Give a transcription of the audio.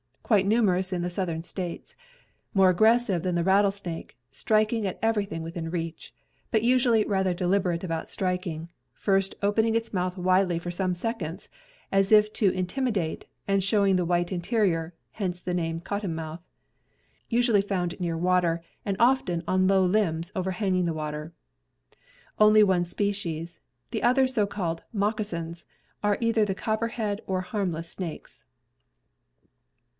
Quite numerous in the southern states. More aggressive than the rattlesnake, striking at everything within reach; but usually rather deliberate about striking, first opening its mouth widely for some seconds, as if to intimidate, and showing the white interior (hence the name "cottonmouth"). Usually found near water, and often on low limbs overhanging the water. Only one species. The other so called "moccasins" are either the copperhead or harmless snakes.